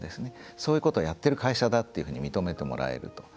そういうことをやってる会社だっていうふうに認めてもらえると。